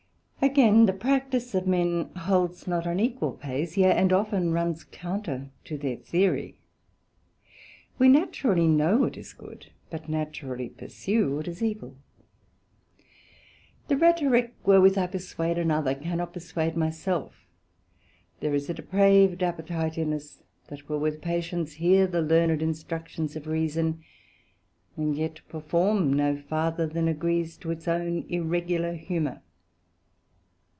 Again, the Practice of men holds not an equal pace, yea, and often runs counter to their Theory; we naturally know what is good, but naturally pursue what is evil: the Rhetorick wherewith I perswade another, cannot perswade my self: there is a depraved appetite in us, that will with patience hear the learned instructions of Reason, but yet perform no farther than agrees to its own irregular humour.